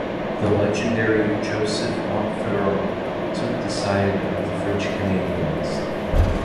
The legendary Joseph Montferrand took the side of the French-Canadians.